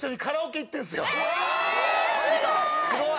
えすごい！